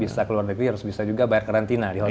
bisa ke luar negeri harus bisa juga bayar karantina di hotel